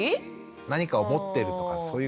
何かを持ってるとかそういう感じ？